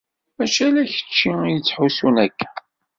Mačči ala kečči i yettḥussun akka.